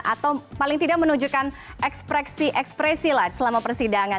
atau paling tidak menunjukkan ekspresi ekspresi selama persidangan